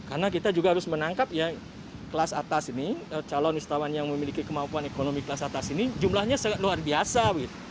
karena kita juga harus menangkap ya kelas atas ini calon wisatawan yang memiliki kemampuan ekonomi kelas atas ini jumlahnya sangat luar biasa